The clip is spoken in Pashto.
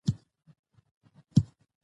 هر څوک د خپل برخلیک جوړونکی دی.